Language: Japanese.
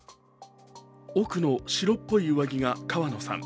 奥の白っぽい上着が川野さん。